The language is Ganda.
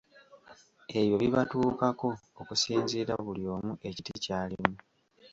Ebyo bibatuukako okusinziira buli omu ekiti ky‘alimu.